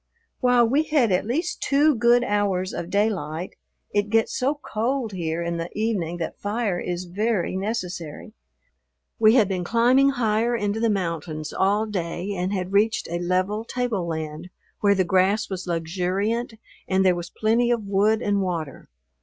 While we had at least two good hours of daylight, it gets so cold here in the evening that fire is very necessary. We had been climbing higher into the mountains all day and had reached a level tableland where the grass was luxuriant and there was plenty of wood and water.